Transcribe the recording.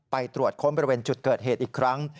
ไปตรวจค้นบริเวณจุดเกิดเหตุอีกครั้ง